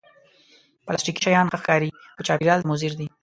پلاستيکي شیان ښه ښکاري، خو چاپېریال ته مضر دي